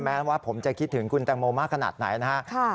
แม้ว่าผมจะคิดถึงคุณแตงโมะมากขนาดไหนนะฮะ